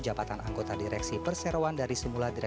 kami ingin mel octopuskan pengukinan